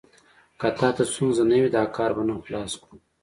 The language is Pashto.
که تا ته ستونزه نه وي، دا کار به نن خلاص کړو.